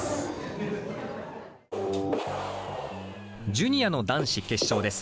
ジュニアの男子決勝です。